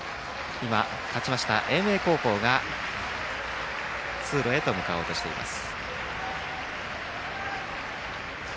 今、勝ちました英明高校が通路へと向かおうとしています。